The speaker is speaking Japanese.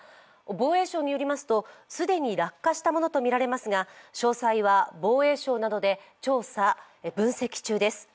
防衛省によりますと、既に落下したものとみられますが詳細は防衛省などで調査・分析中です。